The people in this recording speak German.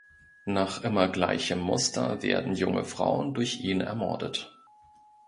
Nach immer gleichem Muster werden junge Frauen durch ihn ermordet.